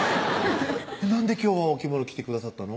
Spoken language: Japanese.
なんで今日はお着物着てくださったの？